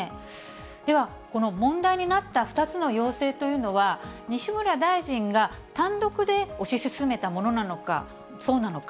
では、この問題になった２つの要請というのは、西村大臣が単独で推し進めたものなのか、そうなのか。